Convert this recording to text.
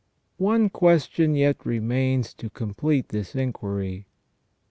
* One question yet remains to complete this inquiry.